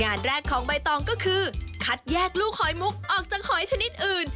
งานแรกของใบตองก็คือคัดแยกลูกหอยมุกออกจากหอยชนิดอื่น